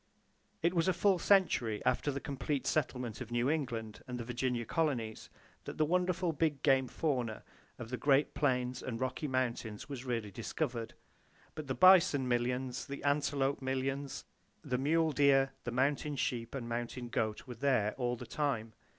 It was a full century after the complete settlement of New England and the Virginia colonies that the wonderful big game fauna of the great plains and Rocky Mountains was really discovered; but the bison [Page 2] millions, the antelope millions, the mule deer, the mountain sheep and mountain goat were there, all the time.